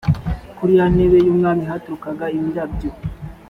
kuri ya ntebe y ubwami haturukaga imirabyo